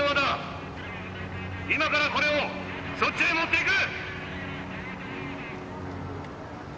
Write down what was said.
今からこれをそっちへ持っていく！